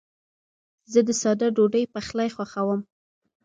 زه د ساده ډوډۍ پخلی خوښوم.